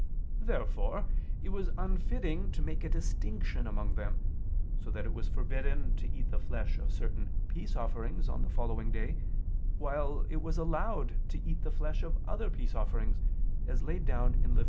Therefore it was unfitting to make a distinction among them, so that it was forbidden to eat the flesh of certain peace offerings on the following day, while it was allowed to eat the flesh of other peace offerings, as laid down in Lev.